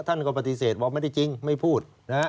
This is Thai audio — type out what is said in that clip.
ท่านก็ปฏิเสธบอกไม่ได้จริงไม่พูดนะฮะ